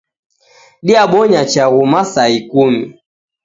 Diabonya chaghu masaa ikumi